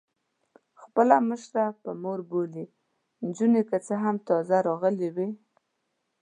خپله مشره په مور بولي، نجونې که څه هم تازه راغلي وې.